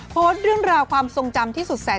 พอดื่มระความทรงจำที่สุดสัญ